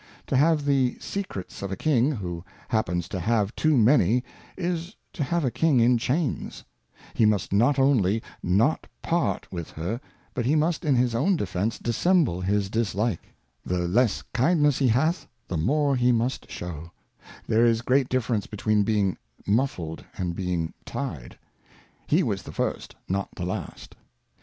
To have the Secrets of a King, who happens to have too many, is to have a King in Chains : He must not only, not part with her, but he must in his own Defence dissemble his dislike : The less kindness he hath, the more he must shew: There is great difference between being muffled, and being tied: He was the first, not the last.